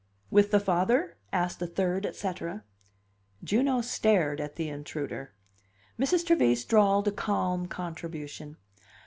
"With the father?" asked a third et cetera. Juno stared at the intruder. Mrs. Trevise drawled a calm contribution.